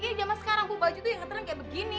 ini zaman sekarang bu baju tuh yang keterang kayak begini